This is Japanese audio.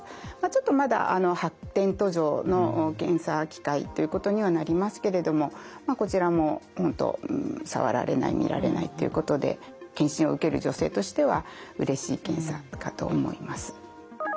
ちょっとまだ発展途上の検査機械ということにはなりますけれどもこちらも本当触られない見られないということで検診を受ける女性としてはうれしい検査かと思います。